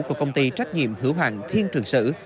của công ty trách nhiệm hữu hạng thiên trường sử